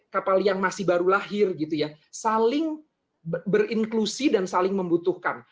kapal yang masih baru lahir gitu ya saling berinklusi dan saling membutuhkan